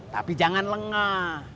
tapi jangan lengah